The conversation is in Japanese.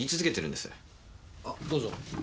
あどうぞ。